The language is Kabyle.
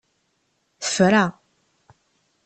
Tefra!